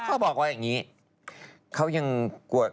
เค้าบอกว่าอย่างนี้เค้ายังติดสนุกอยู่